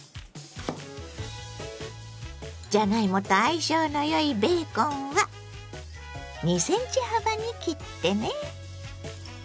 じゃがいもと相性のよいベーコンは２ｃｍ幅に切ってね。